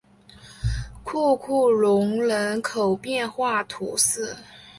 库库龙人口变化图示